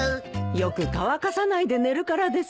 よく乾かさないで寝るからですよ。